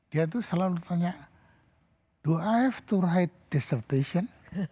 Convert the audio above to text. dia itu selalu tanya do i have to write dissertation